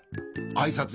あいさつ？